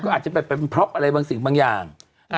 อาร์กจะเป็นปร๊อปอะไรบางสิ่งบางอย่าง